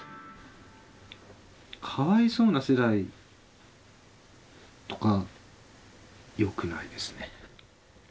かわいそうな世代とか、よくないですね。